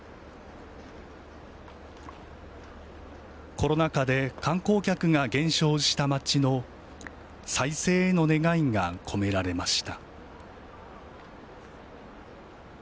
コロナ禍で観光客が減少した町の再生への願いが込められました。